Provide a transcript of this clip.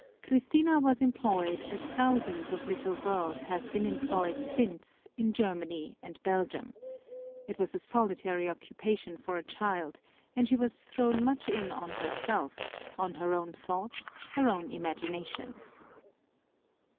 Christina was employed as thousands of little giris have been employed since in Germany and Belgium, It was a solitary occupation for a child, and she was thrown much in on herself, on her own thoughts, her own imaginations.